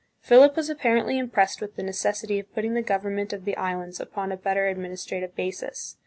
Philip was ap parently impressed with the necessity of putting the gov ernment of the Islands upon a better adminstrative basis.